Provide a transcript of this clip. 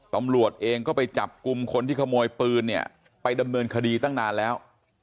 ตำรวจเองก็ไปจับกลุ่มคนที่ขโมยปืนเนี่ยไปดำเนินคดีตั้งนานแล้ว